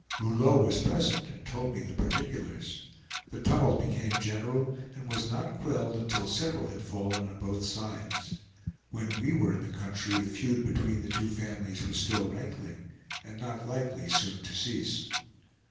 Rouleau was present, and told me the particulars. The tumult became general, and was not quelled until several had fallen on both sides. When we were in the country the feud between the two families was still rankling, and not likely soon to cease.